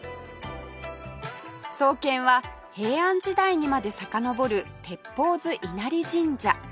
創建は平安時代にまでさかのぼる鐵砲洲稲荷神社